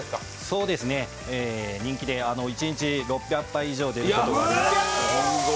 そうですね、人気で一日６００杯以上出ることもあります。